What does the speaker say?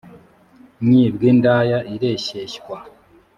nyi bw indaya ireshyeshya